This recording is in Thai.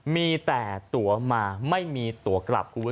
มีแต่ตัวมาไม่มีตัวกลับ